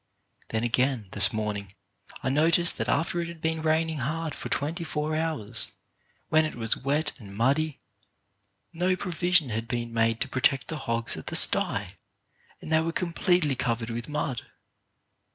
Then, again, this morning I noticed that after it had been raining hard for twenty four hours, when it was wet and muddy, i 4 CHARACTER BUILDING no provision had been made to protect the hogs at the sty, and they were completely covered with mud.